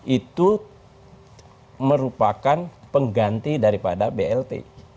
itu merupakan pengganti daripada blt